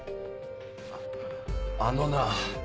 ああのな。